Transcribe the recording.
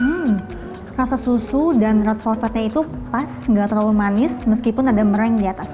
hmm rasa susu dan red velvetnya itu pas gak terlalu manis meskipun ada meringue di atasnya